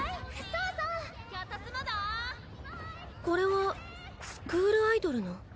これはスクールアイドルの。